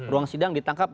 ruang sidang ditangkap